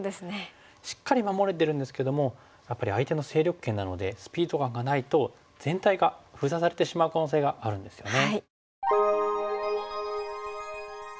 しっかり守れてるんですけどもやっぱり相手の勢力圏なのでスピード感がないと全体が封鎖されてしまう可能性があるんですよね。